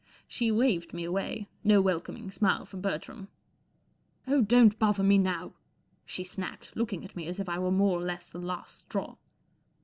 She waved me away. No welcoming smile for Bertram. 44 Oh, don't bother me now," she snapped, looking at me as if I were more or less the last straw.